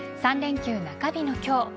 ３連休中日の今日。